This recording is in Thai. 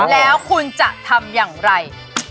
แล้วคุณจะทำอย่างไร